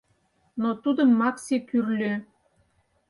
Но тудым Макси кӱрльӧ: